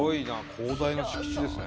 広大な敷地ですね。